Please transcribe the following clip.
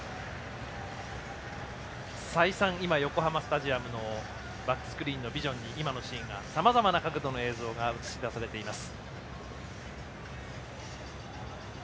再三、今、横浜スタジアムのバックスクリーンのビジョンに今のシーンがさまざまな角度の映像が映し出されています。